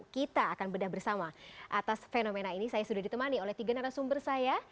kita akan bedah bersama atas fenomena ini saya sudah ditemani oleh tiga narasumber saya